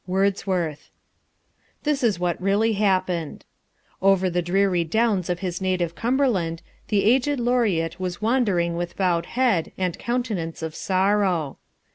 WORDSWORTH. This is what really happened. Over the dreary downs of his native Cumberland the aged laureate was wandering with bowed head and countenance of sorrow.